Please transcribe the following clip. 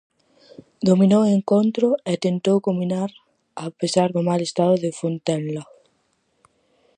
Dominou o encontro e tentou combinar a pesar do mal estado de Fontenla.